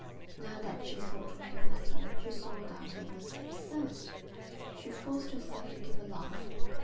Now that she thought of the matter, she saw that it was absurd. She forced herself to give a laugh.